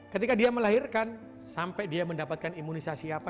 ketika dia melahirkan sampai dia mendapatkan imunisasi apa